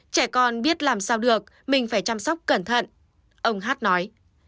trẻ con biết làm sao được mình phải chăm sóc cẩn thận ông hát nói